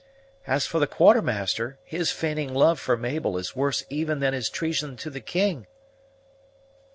As for the Quartermaster, his feigning love for Mabel is worse even than his treason to the king."